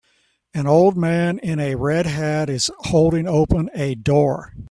An old man in a red hat is holding open a door